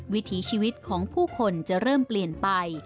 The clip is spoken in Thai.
วิถีชีวิตของผู้คนจะเริ่มเปลี่ยนไป